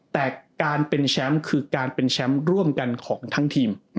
แต่การเป็นแชมป์คือการเป็นแชมป์ร่วมกันของทั้งทีม